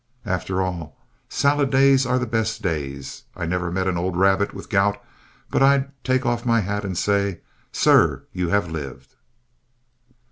After all, salad days are the best days. I never meet an old rabbit with gout but I take off my hat and say, "Sir, you have lived."